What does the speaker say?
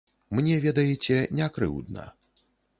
Мне, ведаеце, не крыўдна.